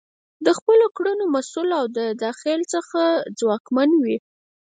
د خپلو کړنو مسؤل او د داخل څخه ځواکمن وي.